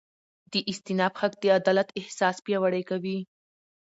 د استیناف حق د عدالت احساس پیاوړی کوي.